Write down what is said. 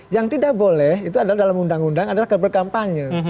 yang tidak boleh itu adalah dalam undang undang adalah berkampanye